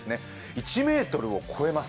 １ｍを越えます。